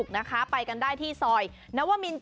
ผมก็ยาวสู้จะทำให้ถึงที่สุด